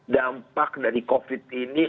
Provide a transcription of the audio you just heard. dampak dari covid ini